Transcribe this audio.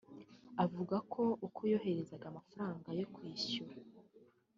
Avuga ko uko yoherezaga amafaranga yo kwishyura